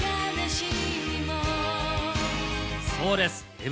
そうです。